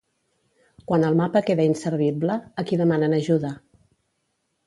Quan el mapa queda inservible, a qui demanen ajuda?